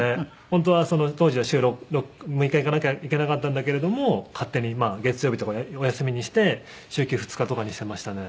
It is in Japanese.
本当は当時は週６日行かなきゃいけなかったんだけれども勝手に月曜日とかお休みにして週休２日とかにしていましたね。